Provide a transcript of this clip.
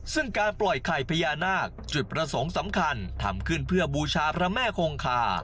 ซึ่งการปล่อยไข่พญานาคจุดประสงค์สำคัญทำขึ้นเพื่อบูชาพระแม่คงคา